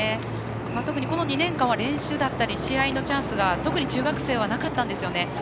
特にこの２年間は練習だったり試合のチャンスが特に中学生はなかったんですよね。